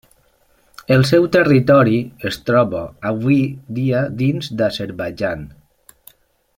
El seu territori es troba avui dia dins d'Azerbaidjan.